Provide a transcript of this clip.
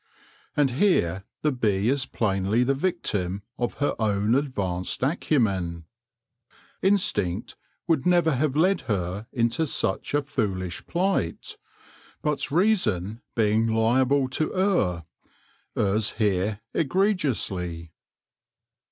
And here the bee is plainly the victim of her own advanced acumen. Instinct would never have led her into such a foolish plight ; but reason, being liable to err, errs here egregiously.